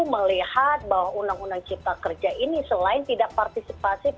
melihat bahwa undang undang cipta kerja ini selain tidak partisipasi